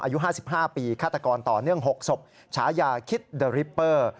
อายุ๕๕ปีฆาตกรต่อเนื่อง๖ศพฉายาคิดเดอริปเปอร์